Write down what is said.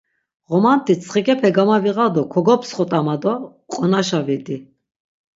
Ğomanti tsxikepe gamaviğa do kogoptsxot̆a ma do qonaşa vidi.